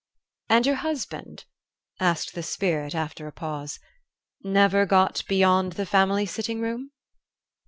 "And your husband," asked the Spirit, after a pause, "never got beyond the family sitting room?"